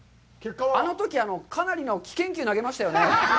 あのとき、かなりの危険球投げましたよね。